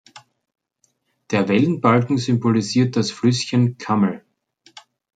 Der Wellenbalken symbolisiert das Flüsschen Kammel.